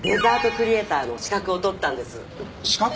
クリエイターの資格を取ったんです資格？